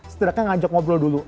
setidaknya ngajak ngobrol dulu